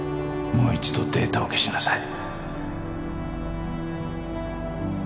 もう一度データを消しなさい